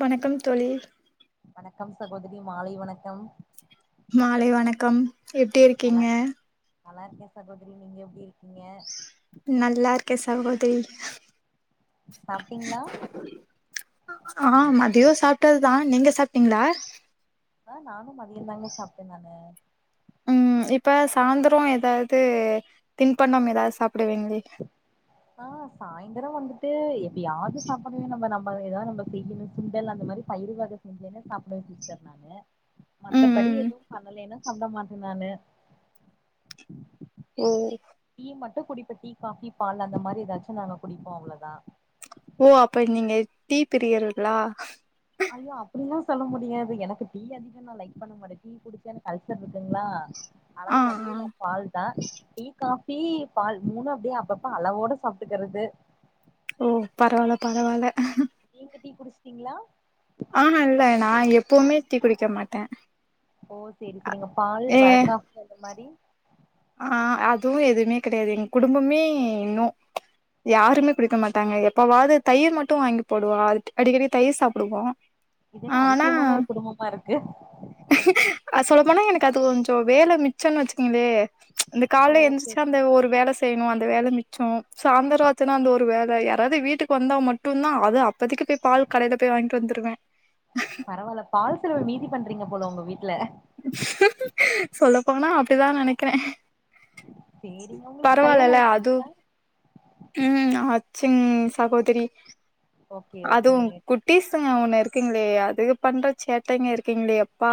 வணக்கம் தோழி வணக்கம் சகோதரி மாலை வணக்கம் மாலை வணக்கம் எப்டி இருக்கீங்க நல்லாருக்கே சகோதரி நீங்க எப்டி இருக்கீங்க நல்லாருக்கே சகோதரி சாப்டிங்ளா ஆ மதியோ சாப்டதுதா நீங்க சாப்டிங்ளா ஆ நானு மதியந்தாங்க சாப்ட்டே நானு ம் இப்ப சாந்ரோ எதாவ்து தின்பண்டம் எதாவ்து சாப்டுவீங்களே [inaudible] ஆ சாய்ந்தரோ வந்துட்டு எப்பயாது சாப்டுவே நம்ப நம்ப எதாவ்து நம்ப செய்யணு சுண்டல் அந்த மாரி பயிறு வக செஞ்சேன்னே சாப்டுவே சிஸ்டர் நானு [inaudible] ம் மத்தபடி ம் எதுவு பண்ணலேன்னா சாப்டமாட்டே நானு ம் டீ மட்டு குடிப்பே டீ காஃபி பால் அந்த மாரி எதாச்சு நாங்க குடிப்போ அவ்ளோதா ஓ அப்ப நீங்க டீ பிரியர்களா ஐயோ அப்டிலா சொல்ல முடியாது எனக்கு டீ அதிக நா லைக் பண்ண மாட்டே டீ குடிச்சா எனக்கு அல்சர் இருக்குங்களா அவ்ள ஆ தா ஆ வழியேல்ல பால் தா டீ காஃபி பால் மூணு அப்டியே அப்பப்ப அளவோட சாப்டுக்கறது ஓ பரவால்ல பரவால்ல நீங்க டீ குடிச்ட்டீங்ளா ஆ நா இல்ல நா எப்போமே டீ குடிக்க மாட்டே ஓ சேரி சேரிங்க பால் ஏ வர காஃபி அந்த மாரி ஆ அதுவு எதுமே கெடயாது எங் குடும்பமே நோ யாருமே குடிக்க மாட்டாங்க எப்பவாது தயிர் மட்டு வாங்கி போடுவா அடிக்கடி தயிர் சாப்டுவோ இது என்ன அதிசியமான ஒரு குடும்பமா இருக்கு அ சொல்ல போனா எனக்கு அது கொஞ்சொ வேல மிச்சோன் வச்சுக்கங்ளே இந்த ஓ கால்ல எந்திச்சா சேரி அந்த ஒரு வேல செய்ணு அந்த வேல மிச்சோ சாந்த்ரோ ஆச்சுனா அந்த ஒரு வேல யாராது வீட்டுக்கு வந்தா ம ட்டுந்தா அது அப்பதிக்கு போய் பால் கடைல போய் வாய்ன்ட்டு வந்துருவே பரவால்ல பால் செலவு மீதி பண்றீங்க போல ஒங்க வீட்ல சொல்ல போனா அப்டிதா நெனைக்கிறே சேரிங்க உங்களுக்கு கல்யாண பரவால்லல அது ஆயிடுச்சுங்களா ம் ஆச்சிங் சகோதிரி ஓகே அதுவு ஓகேங்க கு ட்டிஸுங்க ஒண்ணு இருக்குங்ளே அதுக பண்ற சேட்டைங்க இருக்குங்ளே யப்பா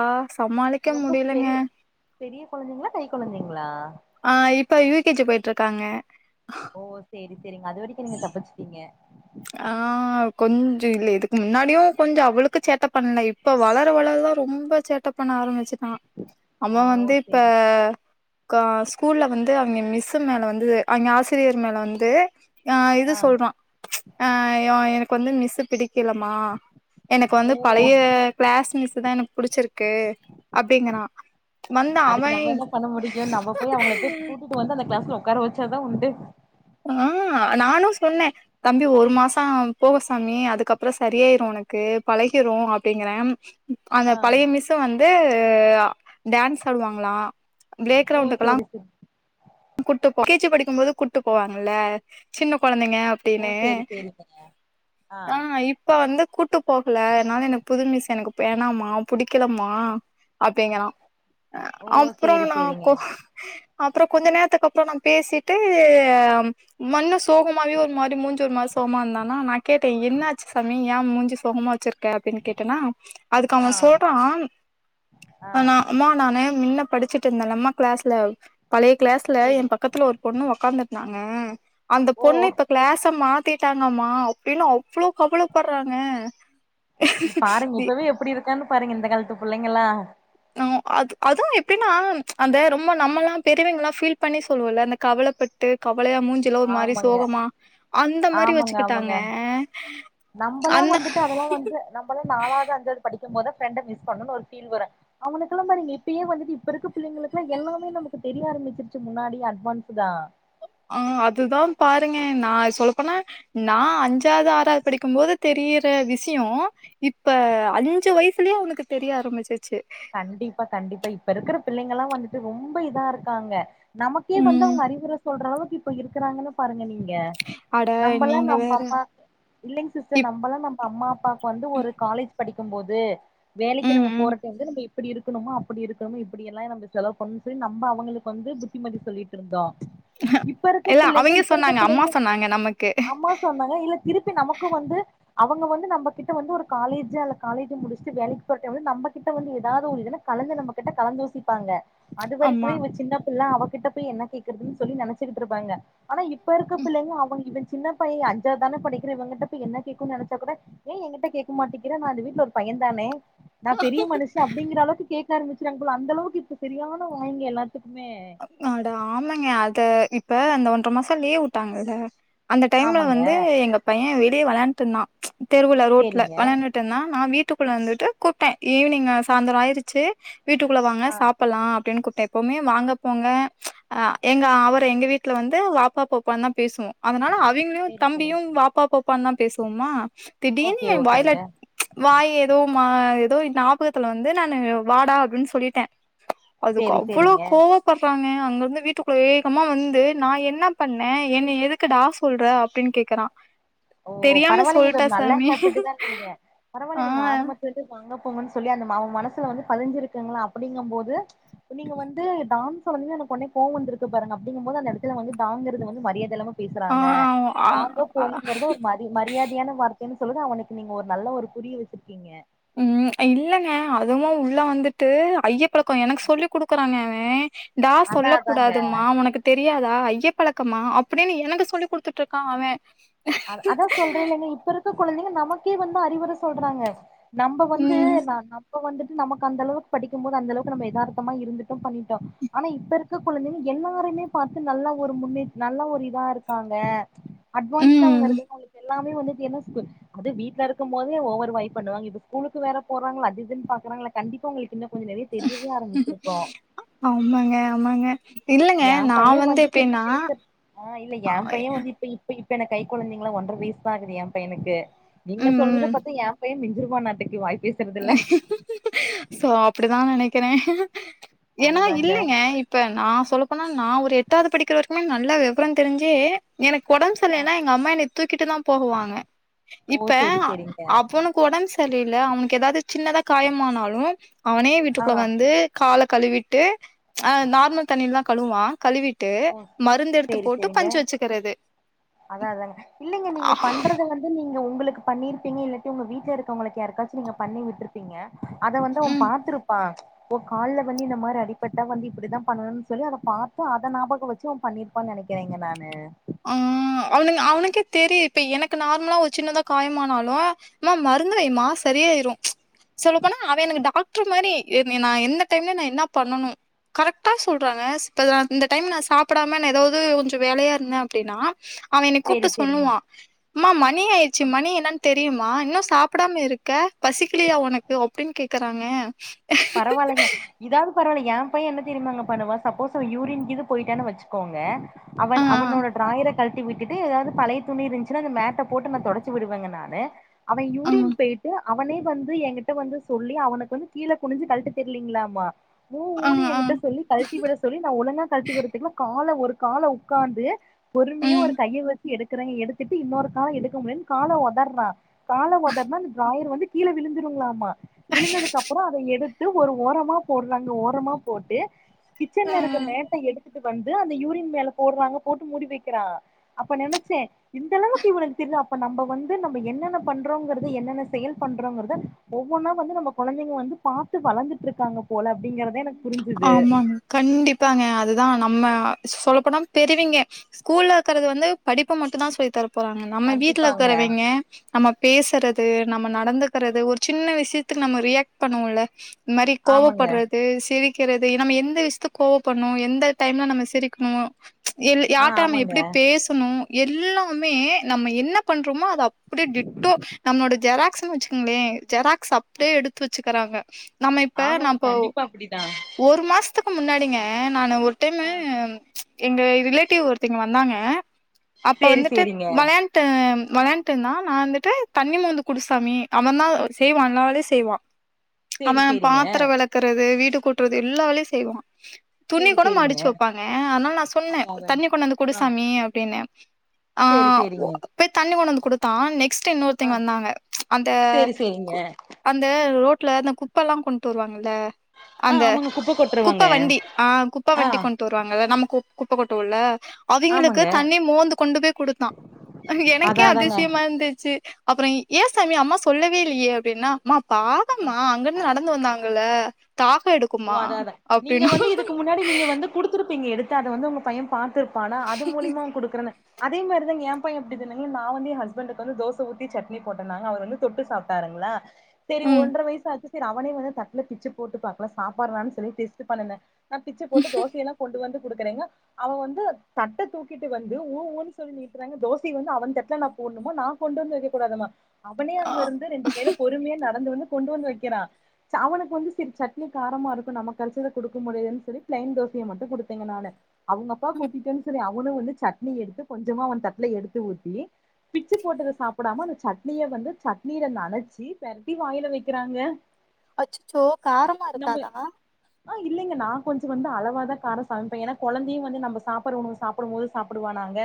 ரொம்ப பெரி பெரிய கொழந்தைங்ளா கை கொழந்தைங்ளா ஆ இப்ப யூ கே ஜி போய்ட்ருக்காங்க ஓ சேரி சேரிங்க அது வரைக்கு நீங்க தப்பிச்ட்டீங்க ஆ கொஞ்ச இல்ல இதுக்கு முன்னாடியு கொஞ்ச அவ்வளுக்கு சேட்ட பண்ல இப்ப வளர வளர தா ரொம்ப சேட்ட பண்ண ஆரம்பிச்சுட்டா நம்ம ஆ ஓ வந்து இப்ப சேரி கா ஸ்கூல்ல வந்து அவிங்க மிஸ்ஸு மேல வந்து அவிங்க ஆசிரியர் மேல வந்து ஆ இது சொல்றா ஆ யோ எனக்கு வந்து மிஸ்ஸு பிடிக் கில மா எனக்கு வந்து ஓ பழைய கிளாஸ் மீஸ் தா எனக்கு புடிச்சிருக்கு அப்டிங்குறா வந்தா அவ அதுக்கு நம்ம என்ன பண்ண முடியு நம்ம போய் அவங்கள போய் கூட்டிட்டு வந்து அந்த கிளாஸ்ல உக்கார வச்சாத தா உண்டு ஆ நானு சொன்னே தம்பி ஒரு மாச போ சாமி அதுக்கப்புற சரியாயிரு உனக்கு பழகிரு அப்டிங்குறே அந்த ஆ பழைய மிஸ் வந்து டான்ஸ் ஆடுவாங்களா பிளே ஓ கிரவுண்டுக்கெல்லா சேரி சேரி கூட்டு போ கேஜி படிக்கு போது கூட்டு போவாங்கல்ல சின்ன கொழந்தைங்க ஓ டின்னு சேரி சேரிங்க ஆ இப் இப்ப வந்து கூட்டு போகல என்னால எனக்கு புது மிஸ் எனக்கு வேணாமா புடிக்கலமா அப்டிங்கிறா ஓ அப்புறோ சேரி நா சேரிங்க கோ அப்புறோ கொஞ்ச நேரத்துக்கு அப்புறோ நா பேசிட்டு மன்னு சோகமாவே ஒரு மாரி மூஞ்சு ஒரு மாரி சோகமா இருந்தானா நா கேட்டே என்ன ஆச்சு சாமி ஏ மூஞ்சி சோகமா வச்சிருக் கே அப்டின்னு கேட்டன்னா அதுக்கு ஆ அவ சொல்றா ஆ நா அம்மா நானு மின்ன படிச்சுட்டு இருந்தேலே அம்மா கிளாஸ்ல பழைய கிளாஸ்ல எ சேரி பக்கத்துல ஒரு பொண்ணு உக்காந்து இருந்தாங்க அந்த ஓ பொண்ணு இப்ப கிளாஸ்ஸ மா த்திட்டாங்கம்மா அப்டின்னு அவ்ளோ கவலப்படுறாங்க பாருங்க இப்பவே எப்டி இருக்கான்னு பாருங்க இந்த காலத்து புள்ளைங்களா அ அது அதுவு எப்டின்னா அந்த ரொம்ப நம்மல்லா பெரியவங்கல்லா ஃபீல் பண்ணி சொல்லுவோல்ல அந்த கவல பட் டு கவலையா மூஞ்சிலா ஒரு மாரி ஆமாங்க சோகமா அந்த மாரி ஆமாங்க ஆமாங்க வெச்சுக்கிட்டாங்க நம்பல்லா வந்துட்டு அது எல்லா வந்து நம்பல்லா நாலாவது அஞ்சாவது படிக்கு போதா ஃப்ரெண்ட மிஸ் பண்ணுன் ஒரு ஃபீல் வரு அவனுக்கெல்லா பாருங்க இப்பயே வந்துட்டு இப்ப இருக்க பிள்ளைங்களுக்குல்லா எல்லாமே நமக்கு தெரிய ஆரம்பிச்சிருச்சு முன்னாடியே அட்வான்ஸ்டா அ அதுதா பாருங்க நா சொல்ல போனா நா அஞ்சாவது ஆறாவது படிக்கும் போது தெரியிற விஷயோ இப்ப அஞ்சு வயசுலயே அவனுக்கு தெரிய ஆரம்பிச்சிச்சு கண்டிப்பா கண்டிப்பா இப்ப இருக்குற பிள்ளைங்க எல்லா வந்துட்டு ரொம்ப இதா இருக்காங்க நமக்கே வந்து ம் அவங்க அறிவுர சொல்ற அளவுக்கு இப்ப இருக்குறாங்கன்னு பாருங்க நீங்க அட நம்பல்லா நீங்க நம்ப வேற அம்மா இல்லைங்க சிஸ்டர் இப் நம்பல்லா நம்ப அம்மா அப்பாக்கு வந்து ஒரு காலேஜ் படிக்கும் போது வேலைக்கு ம் நம்ம ம் போற நம்ம இப்பிடி இருக்கணுமா அப்படி இருக்கணுமா இப்டி எல்லா எ நம்ப செலவு பண்ணு சொல்லி நம்ப அவங்களுக்கு வந்து புத்திமதி சொல்லிட் ருந்தோ இப்ப இருக்க இல்ல பிள்ளைங்க அவைங்க இப்ப இருக்க சொன்னாங்க அம்மா பிள்ளைங்க சொன்னாங்க நமக்கு அம்மா சொன்னாங்க இல்ல திருப்பி நமக்கு வந்து அவங்க வந்து நம்ம கிட்ட வந்து ஒரு காலேஜ் அல்ல காலேஜ் முடிச்சுட்டு வேலைக்கு போற டைம்ல நம்ப கிட்ட வந்து ஏதாவது ஒரு இது கலந்து நம்ம கிட்ட கலந்து யோசிப்பாங்க அது அம்மா வரைக்குமே இவ சின்ன பிள்ள அவகிட்ட போய் என்ன கேக்கறதுன்னு சொல்லி நெனச்சுக்கிட்டு இருப்பாங்க ஆனா இப்ப இருக்க பிள்ளைங்க அவங்க இவ சின்ன பைய அஞ்சாவுதானே படிக்கிறா இவங்கிட்ட போய் என்ன கேக்குன்னு நெனச்சாக்கூட ஏ எகிட்ட கேக்க மாட்டேங்குறே நா இந்த வீட்டுல ஒரு பைய தானே நா பெரிய மனுஷு அப்டிங்கிற அளவுக்கு கேக்க ஆரம்பிச்சுறுவாங்க போல அந்த அளவுக்கு இப்ப சரியான வாய்ங்க எல்லாத்துக்குமே அட ஆமாங்க அது இப்ப அந்த ஒன்ற மாச லீவ் வுட்டாங்கல்ல அந்த டைம்ல ஆமாங்க வந்து எங்க பைய வெளியே வெளயாண்டு இருந்தா தெருவுல ரோட்ல சேரிங்க வெளையாண் டுந்தா நா வீட்டுக்குள்ள இருந்துட்டு கூப்ட்டே ஈவினிங் சாய்ந்தரோ ஆயிருச்சு வீட்டுக்குள்ள வாங்க ஆ சாப்பலா அப்படின்னு கூப்ட்ட எப்பவுமே வாங்க போங்க அ எங்க அவரை எங்க வீட்ல வந்து வாப்பா போப்பன்னு தா பேசுவோ அதனால அவிங்களு சேரி சேரி தம்பியு வாப்பா போப்பனூதா பேசுவோமா திடீனு ஓகே ஏ வாய்ல ஓகேங்க வாய் ஏதோ மா ஏதோ ஞாபகத்துல வந்து நான்னு வாடா அப்டின்னு சொல்லிட்டே அதுக்கு சேரி அவ்ளோ சேரிங்க கோவ படுறாங்க அங்கிருந்து வீட்டுக்குள்ள வேகமா வந்து நா என்ன பண்ணே என்ன எதுக்கு டா சொல்ற அப்படின்னு கேக்க க்கரா ஓ பரவாயில்லைங்க இது ஒரு நல்ல ஹாப்பிட்டு தாங்க நீங்க பரவால்ல ஆ நீங்க ஆரம்ப வாங்க போங்கன்னு சொல்லி அந்த மா மனசுல வந்து பதிஞ்சிருக்குங்க அப்படிங்கும் போது நீங்க வந்து டான்னு சொன்னதுமே அவனுக்கு ஒடனே கோவ வந்திருக்கு பாருங்க அப்படிங்கும்போது அந்த எடத்துல வந்து டா ங்கரது வந்து மரியாத இல்லாம ஆ பேசுறாங்க ஆ வாங்க ஆ போங்க மரி மரியாதையான வார்த்தைன்னு சொல்லுது அவனுக்கு நீங்க ஒரு நல்ல ஒரு புரிய வச்சிருக்கீங்க ம் இல்லங்க அதுவு உள்ள வந்துட்டு ஐயப் எனக்கு சொல்லி குடுக்கறாங்க அவ டா அதா அதாங்க சொல்லக்கூடாது மா ஒனக்குத் தெரியாதா ஐய பழக்கமா அப்படின்னு எனக்கு சொல்லி குடுத்துட்ருக்கா அவ அத அதா சொல்றே இல்லைங்க இப்ப இருக்கற கொழந்தைங்க நமக்கே வந்து அறிவுர சொல்றாங்க நம்ம வந்து ம் நானா நம்ம வந்துட்டு நமக்கு அந்தளவுக்கு படிக்கும்போது அந்தளவுக்கு நம்ம ஏதார்த்தமா இருந்துட்டோ பண்ணிட்டோ ஆனா இப்பருக்க கொழந்தைங்க எல்லாரையுமே பாத்து நல்லா ஒரு முன்னே நல்ல ஒரு இதா இருக்காங்க அட்வான்ஸா அவங்க ம் இருக்கு அவங்களுக்கு எல்லாமே வந்துட்டு என்ன சொல்ற அது வீட்ல இருக்கும் போதே ஓவர் வைப் பண்ணுவாங்க இப்ப ஸ்கூலுக்கு வேற போறாங்களா அதுஇதுனு பாக்குறாங்களா கண்டிப்ப அவுங்களுக்கு இன்னு கொஞ்ச நெறைய தெரியவே ஆரம்பிச்சிருக்கோ ஆமாங்க ஆமாங்க இல்லங்க ஏ நா பைய வந்து வந்துட்டு இன்னு எப்டின்னா பேசுறது இல்ல ஏ பைய வந்து இப்போ இப்ப இப்ப என்க்கு கை கொழந்தைங்க தா ஒன்ற வயசுதா ஆகுது ஏ பையனுக்கு நீங்க ம் சொல்றத பாத்தா ஏ பைய மின்ஞ்சிறுவனட்டாக்கு வாய் பேசுறதுல சோ அப்படித்தா நெனைக்கிறே ஏன்னா அதுதாங்க இல்லைங்க இப்ப நா சொல்லப்போனா நா ஒரு எட்டாவது படிக்கிற வரைக்குமே நல்ல வெவர தெரிஞ்சே எனக் ஒடம்பு சரி ஆ இல்லனா எங்கம்மா என்ன தூக்கிட்டு தா போகுவாங்க ஓ இப்ப செரி செரிங்க அவனுக்கு ஒடம்பு சரில்லல அவனு எதாவது சின்னதா காயமானாலு அவனே ஆ வீட்டுக்குள்ள வந்து கால கழுவிட்டு ஆ நார்மல் தண்ணிலதா கழுவா கழுவி ட்டு ஓ மருந்து எடுத்து செரி போட்டு செரிங்க பஞ்சு வச்சுக்கிறது அதா அதாங்க இல்லைங்க நீங்க பண்றது வந் இல்ல நீங்க உங்களுக்கு பண்ணி இருப்பீங்க இல்லாடி உங்க வீட்டுல இருக்க வங்களுக்கு யாருக்காச்சு நீங்க பண்ணி விட்ருப் பிங்க அத வந்து அவ ம் பாத்திருப்பா இப்ப கால்ல வந்து இந்த மாரி அடிப்பட்டா வந்து இப்டித்தா பண்ணணுனு சொல்லி அத பாத்து அப் இத ஞாபக வச்சு அவ பண்ணிருப்பான்னு நெனைக்கிறேங்க நானு ஆ அவனு அவனுக்கே தெரியு இப்ப எனக்கு நார்மலா வச் சின்னதா காயமானாலு மா மருந்து வைமா சரியாயிரு சொல்ல போனா அவ எனக்கு டாக்ட்ரு மாரி என்ன நா எந்த டைம்ல நா என்னா பண்ணனு கரெக்டா சொல்றங்க இப்போ நா இந்த டைம்ல நா சாப்டாம நா ஏதாவது கொஞ்ச வேலையா இருந்தே அப்டின்னா அவ என்ன கூப்ட்டு சேரி சேரிங்க சொல்லுவா அம்மா மணி ஆயிடுச்சு மணி என்னன்னு தெரியுமா இன்னு சாப்டாம இருக்க பசிக்கலையா உனக் யோ அப்டின்னு கேக்குறாங்க பரவாயில்லைங்க இதாவது பரவாயில்லைங்க எ பைய என்ன தெரியுமாங்க பண்ணுவா, சப்போஸ் அவ யூரின் இது போய்ட்டானு வச்சுக்கோங்க ஆ அவன் ஆ அவனோட ட்ராயர கழட்டி விட்டுட்டு ஏதாவது பழைய துணி இருன்ச்சுன்னா அந்த மேட்ட போட்டு நா தொடச்சி விடுவேங்க நானு அவன் ஆ யூரின் போய்ட்டு அவனே வந்து என்கிட்ட வந்து சொல்லி அவனுக்கு வந்து கீழ குனுஞ்சு கழட்ட தெரியலீங்களாமா ஊ ஆ ஊனு ஆ எங்கிட்ட சொல்லி கழட் ட்டிவிட சொல்லி நா ஒழுங்கா கழட்டி விடுரதுக்குள்ள கால ஒரு கால உட்காந்து பொறும்யா ம். ஒரு கைய வச் ச்சி எடுக்குறேங் எடுத்துட்டு இன்னொரு காலஎடுக்க முடிலனு கால உதர்றா கால உதற்னா இந்த ட்ராயர் வந்து கீழ விழுந்துருங்களாமா விழுந்ததுக்கு அப்பறோ அத எடுத்து ஒரு ஓரமா போடுறாங்க ஓரமா போட்டு ஆ, கிச்சன்ல ஆ. இருக்க மேட்ட எடுத்துட்டு வந்து அந்த யூரின் மேல போடுறாங்க போட்டு மூடி வைக்கிறா அப்ப நெனச்சே இந்த அளவுக்கு இவனுக்கு தெரிதா அப்ப நம்ம வந்து நம்ம என்னென்ன பண்றோங்கறத என்னென்ன செயல் பண்றோங்கறத ஒவ்வொன்னா வந்து நம்ம குழந்தைங்க வந்து பாத்து வளந்துட்டு இருக்காங்க போல அப்டிங்கறதே எனக் ஆமாங்க கண்டிப்பாங்க அதுதான் நம்ம சொல்லப்போனா தெருவீங்க ஸ்கூல்ல இருக்கறது வந்து படிப்ப மட்டும் தான் சொல்லி தர போறாங்க நம்ம வீட்ல கண்டிப்பாங்க இருக்கறவெங்க நம்ம பேசுறது நம்ம நடந்துக்கிறது ஒரு சின்ன விஷயத்துக்கு நம்ம ரியாக்ட் பண்ணுவோம்ல இம் மாரி ஆமாங்க கோவப்படுறது சிரி க்கிறது நம்ம எந்த விஷ்த்துக்கு கோபண்ணு எந்த டைம்ல நம்ம சிரிக்கணு இல்ல ஆ யார்ட்ட நம்ம ஆமாங்க எப்டி பேசணு எல்லாமே நம்ம என்ன பண்றோமோ அத அப் அப்டே டிட்டோ நம்மளோட ஜெராக்ஸ்ன்னு வச்சுக்கோங்களே ஜெராக்ஸ் அப்டியேஸ்வ எடுத்து வச்சுக்கிறாங்க ஆமாங்க கண்டிப்பா அப்டிதா ஒரு மாசத்துக்கு முன்னாடிங்க நானு ஒரு டைமு ஆ எங்க ரிலேட்டிவ் ஒருத்தங்க வந்தாங்க அப்ப சேரி வந்துட்டு சேரிங்க வளான் ட்டு வளான்ட்டுருந்தான் நான் வந்துட்டு தண்ணி மோந்து குடுசாமி அவன் தா செய்வா எல்லா வேலயு செய்வா அவ சேரி சேரிங்க பாத்திர விளக்குறது வீடு கூட்றது எல்லாவேலையு செய்வா துணி சேரி கூட சேரிங்க மடிச்சு வப்பாங்க அனால நா சொன்னே அதா அதாங்க தண்ணி கொண்டு வந்து ஆ குடுசாமி அப்டின்னு ஆ சேரி ஓ சேரிங்க போய் தண்ணி கொண்டு வந்து கொடுத்தான் நெக்ஸ் ட்டு ஆ இன்னொருத்தைங்க வந்தாங்க அந்த சேரி சேரிங்க கு அந்த ரோட்ல அந்த குப்பல்லா கொண்ட்டு வருவாங்கல்ல ஆ அந்த ஆமாங்க குப்ப கொட்டுருவாங்க வண்டி ஆ குப்ப ஆ வண்டி கொண்டு வருவாங்கல நம்ம குப்பை கொட்டுவோல அவிங்களுக்கு ஆமாங்க தண்ணி மோந்து கொண்டு போய் குடுத்தா எனக்கே அதா அதாங்க ஆ அதிசயமா இருந்துச்சு அப்புற ஏசாமி அம்மா சொல்லவே இல்லையே அப்டின்னா அம்மா பாவம்மா அங்கருந்து நடந்து வந்தாங்க கல தாகோ ஓ எடுக்கும்மா அதா அதா நீங்க அப்டின்னா வந்து இதுக்கு முன்னாடி நீங்க வந்து குடுத்துருப்பீங்க எடுத்து அத வந்து உங்க பைய பாத்துருப்பானா அது மூலிமா அவுங் குடுக்குறனு அதே மாரி தங்க ஏ பைய அப்டிதானுங்க நா வந்து ஏ ஹஸ்பண்டுக்கு வந்து தோச ஊத்தி சட்னி போட்டனாங்க அவரு வந்து தொட்டு சாப்ட்டு பாருங்ளே சரி ம் ஒன்ர வயசு ஆச்சு சரி அவனே வந்து தட்டுல பிச்சு போட்டு பாக்கலா சாப்பாறான் சொல்லி டெஸ்ட்டு பண்ணுனே நா பிச்ச போட்டு தோசையெல்லா கொண்டு வந்து குடுக்குறேங்க அவ வந்து தட்ட தூக்கிட்டு வந்து ஊ ஊன்னு சொல்லி நீட்டுறாங்க தோச வந்து அவ தட்ல ந போணுமா நான் கொண்டு வந்து வைக்க கூடாதமா அவனே ஆ அங்க இருந்து ரெண்டு கைல பொறுமையா நடந்து வந்து கொண்டு வந்து வைக்கிறா அவனுக்கு வந்து சி ச ட்னி காரமா இருக்குன் நமக்கு அரச்சத குடுக்க முடியதுன் சொல்லி பிளெய்ன் தோசைய மட்டு குடுத்தேங்க நானு. அவுங்க அப்பா கூட்டிட்டேன்னு செரி அவளு ம் வந்து சட்னி எடுத்து கொஞ்சமா அவன் தட்டுல எடுத்து ஊத்தி பிச்சு போட்டத சாப்டாம அந்த சட்னிய வந்து சட்னியில நனைைச்சி பரட்டி வாயில வக்கிறாங்க அச்சச்சோ காரம் நம்பு ஆ இல்லைங்க நா கொஞ்சோ வந்து அளவாதா காரௌ சமைப்பே ஏனா கொழந்தையு வந்து நம்ம சாப்பற்ற உணவ சாப் [unintelligible] போது சாப்புடுவானாங்க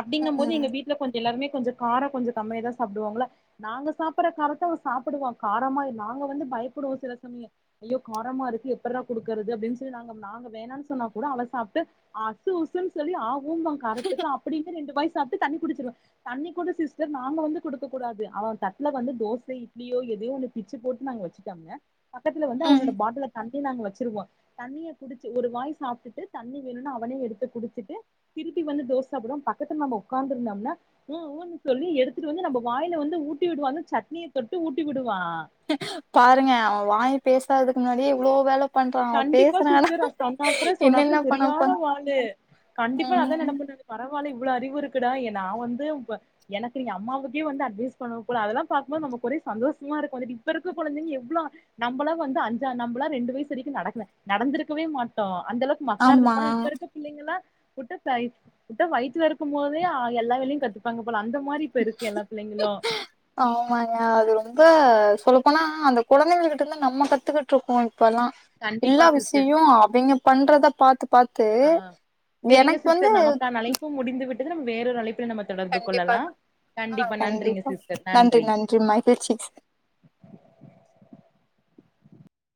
அப்படிங்கம் போது ம் எங்க வீட் இல்ல கொஞ்ச எல்லாருமே கொஞ்ச கார கொஞ்ச கம்மியாதா சாப்டுவாங்களா நாங்க சாப்பற காரத்த அவ சாப்பிடுவா காரமாய் நாங்க வந்து பயப்படுவோ சில சமய ஐயோ காரமா இருக்கு எப்பற்ரா குடுக்குறது அப்டின் சொல்லி நாங்க நாங்க வேணானு சொன்னா கூட அவெ சாப்ட்டு உஷ்ஷு உஷ்ஷுன் சொல்லி ஆ வூம்பா காறத்துக்கு அப்டி இருந்து ரெண்டு வாய் சாப்டு தண்ணி குடுச்சுருவே தண்ணி கூட சிஸ்டர் நாங்க வந்து குடுக்க கூடாது அவெ தட்ல வந்து தோச இட்லியோ எதையோ ஒன்னு பிச்சு போட்டு நாங்க வச்சுட்டோம்ங்க பக்கத்து வந்து ம் அவனோட பாட்டில த தி நாங்க வச்சிருவோ தண்ணிய குடிச்சு ஒரு வாய் சாப்ட்டுட்டு தண்ணி வேணுனு அவனே எடுத்து குடிச்சுட்டு திருப்பி வந்து தோச சாப்டுவா பக்கத்துல நம்ம உக்காந்துருந்தோம்னா உ ஊன்னு சொல்லி எடுத்துட்டு வந்து நம்ம வாய்ல வந்து ஊட்டி விடுவாங்க சட்னியை தொட்டு ஊட்டி விடுவா பாருங்க அவ வாய் பேசாததுக்கு முன்னாடியே எவ்ளோ வேல பண்றா அவ கண்டிப்பா பேசுனானா சிஸ்டர் அ சம்மப்பறோ சொன்னாப்புல என்னென்ன பண்ண சரியான போறா வாளு கண்டிப்பா அதா ம் நெனப்பே நானு பரவால்ல இவ்ளோ அறிவு இருக்குடா எ நா வந்து எனக்கு நீங்க அம்மாவுக்கே வந்து அட்வைஸ் பண்ண கூட அதெல்லா பாக்கும்போது நமக்கு ஒரே சந்தோஷமா இருக்கு வந்துட்டு இப்ப இருக்க கொழந்தைங்க எவ்ளோ நம்மள வந்து அஞ்சா நம்மளா ரெண்டு வயசு சி வரைக்கு நடக்கல நடந்திருக்கவே மாட்டோ அந்த அளவுக்கு மக்கா ஆமா இருந்துருப்போ ஆனா இப்ப இருக்க பிள்ளைங்கள வுட்ட சாயி விட்டா வயி்த்துல இருக்கு போதே எல்லா வேலையு கத்துப்பாங்க போல அந்த மாரி இப்ப இருக்கு எல்லா பிள்ளைங்களு ஆமாங்க அது ரொம்ப சொல்லப்போனா அந்த குழந்தைங்க கிட்ட இருந்து நம்ம கத்துக்கட் தூக்கொ இப்பல்லா எல்லா கண்டிப்பா சிஸ்டர் விஷயையு அவிங்க பண்றத பாத்து பாத்து ஆ எனக்கு வந்து இப்ப முடிந்து விட்டது நம்ம வேறொரு அழைப்பல நம்ம தொடர்பு கண்டிப்பா கொள்ளலா கண்டிப்பா நன்றிங்க சிஸ்டர் நன்றி